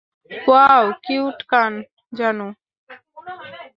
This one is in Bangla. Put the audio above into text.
ওয়াও, কিউট কান, জানু।